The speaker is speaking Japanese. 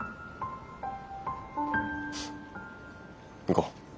行こう。